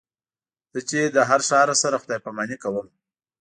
زه چې له هر ښار سره خدای پاماني کوم.